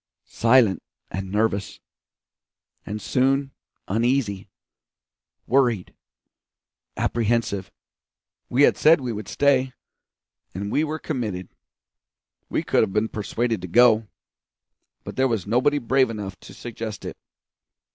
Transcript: Silent and nervous. And soon uneasy worried apprehensive. We had said we would stay, and we were committed. We could have been persuaded to go, but there was nobody brave enough to suggest it.